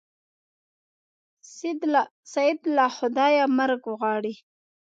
سید له خدایه مرګ غواړي.